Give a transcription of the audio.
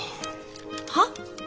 はっ？